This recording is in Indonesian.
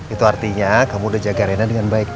itu artinya kamu udah jaga rena dengan baik